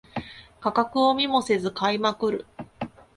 価格を見もせず買いまくる